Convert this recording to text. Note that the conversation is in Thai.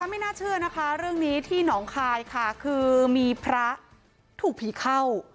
ไม่น่าเชื่อนะคะเรื่องนี้ที่หนองคายค่ะคือมีพระถูกผีเข้า